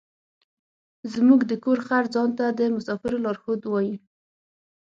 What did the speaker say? زموږ د کور خر ځان ته د مسافرو لارښود وايي.